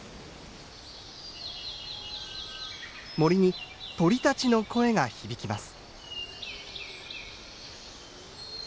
森に鳥たちの声が響きます。